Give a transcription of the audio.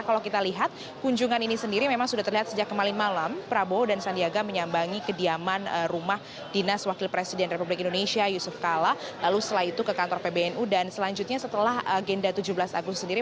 lalu setelah itu ke kantor pbnu dan selanjutnya setelah agenda tujuh belas agustus sendiri